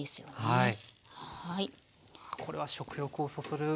はい。